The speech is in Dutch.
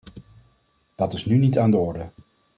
Dat is nu niet aan de orde!